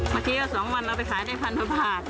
เขามาที่๒วันเอาไปขายได้๑๐๐๐ฟับบาทไม่แน่นอน